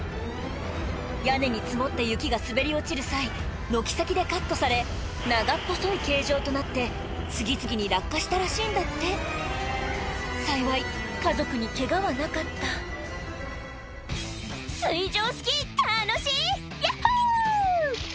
屋根に積もった雪が滑り落ちる際軒先でカットされ長っ細い形状となって次々に落下したらしいんだって幸い家族にケガはなかった「水上スキー楽しい！ヤッホ！」